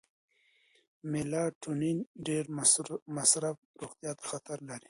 د میلاټونین ډیر مصرف روغتیا ته خطر لري.